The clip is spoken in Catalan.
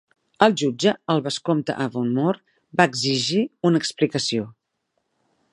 El jutge, el vescomte Avonmore, va exigir una explicació.